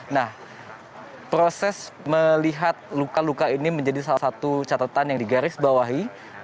nah proses melihat luka luka ini menjadi salah satu catatan yang digarisbawahi